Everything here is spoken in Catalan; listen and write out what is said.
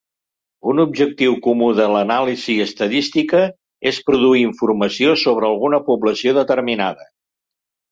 Un objectiu comú de l'anàlisi estadística és produir informació sobre alguna població determinada.